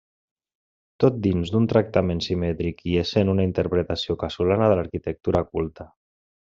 Tot dins d'un tractament simètric i essent una interpretació casolana de l'arquitectura culta.